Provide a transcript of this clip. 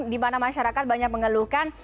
dimana masyarakat banyak mengeluhkan